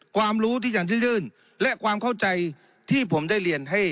ความรู้ที่จะยื่นและความเข้าใจที่ผมได้เรียนให้